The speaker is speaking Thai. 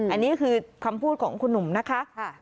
อันนี้คือคำพูดของคุณหนุ่มนะคะ